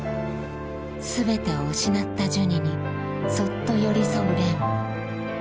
全てを失ったジュニにそっと寄り添う蓮。